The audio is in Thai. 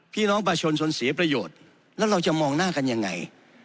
พี่น้องประชาชนชนเสียประโยชน์แล้วเราจะมองหน้ากันยังไง